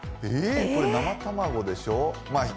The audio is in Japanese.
これ生卵でしょ？